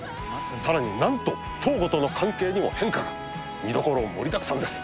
さらになんと瞳子との関係にも変化が見どころ盛りだくさんです